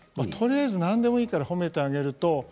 とにかく何でもいいから褒めてあげると。